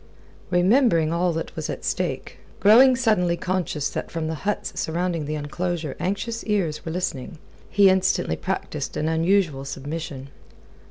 Remembering all that was at stake, growing suddenly conscious that from the huts surrounding the enclosure anxious ears were listening, he instantly practised an unusual submission.